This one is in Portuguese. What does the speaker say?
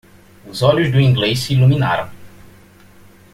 Os olhos do inglês se iluminaram.